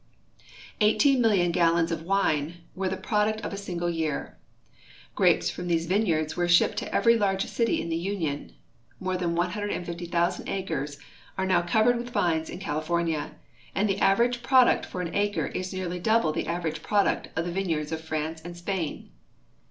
Eighteen million gallons of wine were the iiroduct of a single year. Grapes from these vineyards were shipped to eveiy large city of the Union. INlore than 150,000 acres are now covered with vines in California, and the average product for an acre is nearly double the average product of the vineyards of France and Spain.